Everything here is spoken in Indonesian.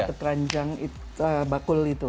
satu keranjang bakul itu